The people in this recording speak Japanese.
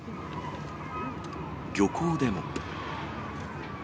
漁港でも。